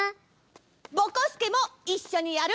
ぼこすけもいっしょにやる？